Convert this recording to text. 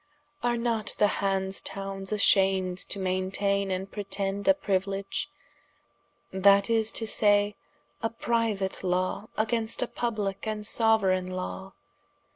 Are not the Hanse townes ashamed to maintaine and pretend a priuiledge, that is to say, a priuate lawe against a publike and soueraigne lawe?